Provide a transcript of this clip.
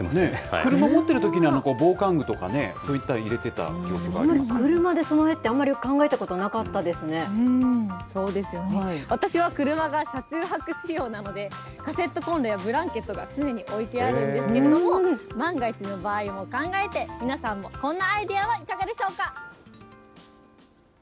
車持ってるときには防寒具とかね、そういったものを入れてた車で備えって、あんまり考えそうですよね、私は車が車中泊仕様なので、カセットコンロやブランケットが常に置いてあるんですけれども、万が一の場合を考えて、皆さんもこんなアイデアはいかがでしょうか。